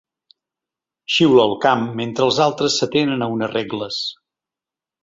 Xiula al camp mentre els altres s'atenen a unes regles.